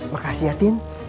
makasih ya tint